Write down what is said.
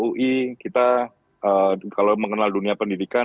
jadi kita kalau mengenal dunia pendidikan